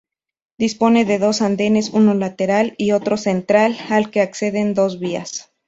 Dispone de dos andenes, uno lateral y otro central al que acceden dos vías.